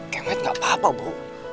kemet gapapa bu